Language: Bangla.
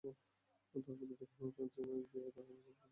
অর্থাৎ, প্রতিটি খননযন্ত্রের জন্য ব্যয় ধরা হয়েছে সাত কোটি টাকার মতো।